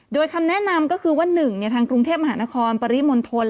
โดยคำแนะนำก็คือว่า๑ทางกรุงเทพมหานครปริมณฑล